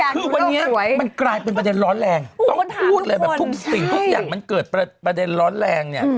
คือวันนี้มันกลายเป็นประเด็นร้อนแรงต้องพูดเลยแบบทุกสิ่งทุกอย่างมันเกิดประเด็นร้อนแรงเนี่ย